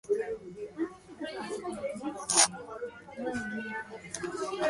Dickson characterized the law as regulating entertainment as a means to boost alcohol sales.